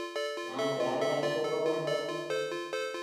நான் யாருடன் போக வேண்டும்?